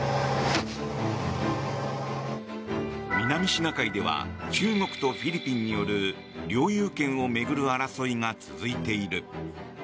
南シナ海では中国とフィリピンによる領有権を巡る争いが続いている。